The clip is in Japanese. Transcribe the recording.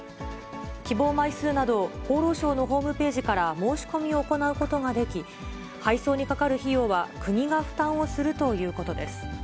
希望枚数などを厚労省のホームページから申し込みを行うことができ、配送にかかる費用は、国が負担をするということです。